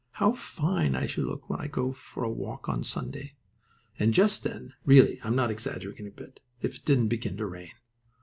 How fine I shall look when I go for a walk on Sunday!" And just then really I'm not exaggerating a bit If it didn't begin to rain!